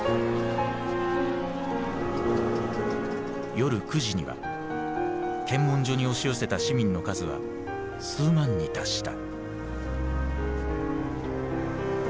夜９時には検問所に押し寄せた市民の数は数万に達した。